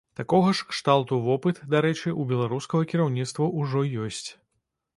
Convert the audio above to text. Такога ж кшталту вопыт, дарэчы, у беларускага кіраўніцтва ўжо ёсць.